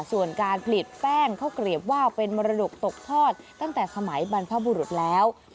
ส่วนการผลิตแป้งข้าวเกลียบว่าวเป็นมรดกตกทอดตั้งแต่สมัยบรรพบุรุษแล้ว